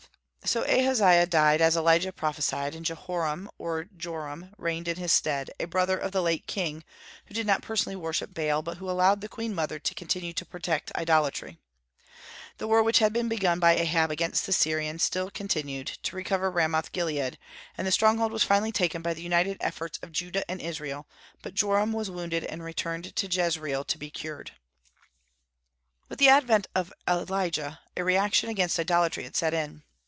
So Ahaziah died, as Elijah prophesied, and Jehoram (or Joram) reigned in his stead, a brother of the late king, who did not personally worship Baal, but who allowed the queen mother to continue to protect idolatry. The war which had been begun by Ahab against the Syrians still continued, to recover Ramoth Gilead, and the stronghold was finally taken by the united efforts of Judah and Israel; but Joram was wounded, and returned to Jezreel to be cured. With the advent of Elijah a reaction against idolatry had set in.